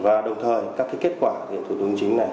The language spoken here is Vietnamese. và đồng thời các kết quả thủ tục hành chính này